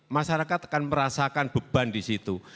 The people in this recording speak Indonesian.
masyarakat akan merasakan beban di situ